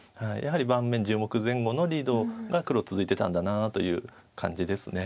やはり盤面１０目前後のリードが黒続いてたんだなという感じです。